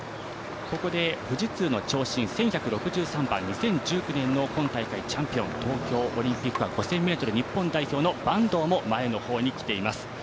富士通の２０１９年の今大会チャンピオン、東京オリンピック５０００ｍ日本代表の坂東も前の方に来ています。